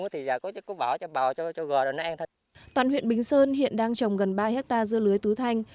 toàn huyện bình sơn hiện đang trồng gần ba hectare dưa lưới tứ thanh